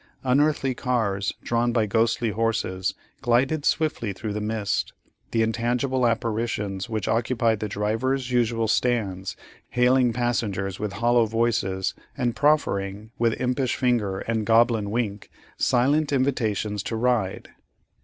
Unearthly cars, drawn by ghostly horses, glided swiftly through the mist, the intangible apparitions which occupied the drivers' usual stands hailing passengers with hollow voices, and proffering, with impish finger and goblin wink, silent invitations to ride.